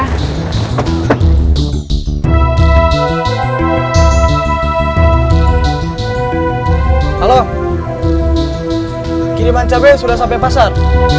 halo kiriman cabai sudah sampai pasar